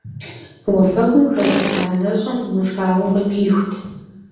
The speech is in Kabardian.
Уафэгум хэсыхь мазэщӀэм нур фагъуэ къыпихут.